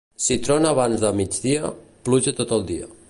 Si trona abans de migdia, pluja tot el dia.